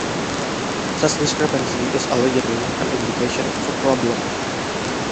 Such discrepancy is allegedly an indication of a problem.